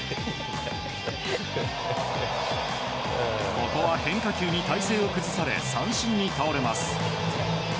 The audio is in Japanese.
ここは変化球に体勢を崩され三振に倒れます。